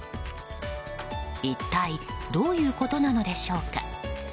一体どういうことなのでしょうか。